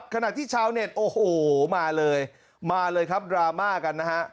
ขณะที่ชาวเน็ตโอ้โหมาเลยมาเลยครับดราม่ากันนะฮะ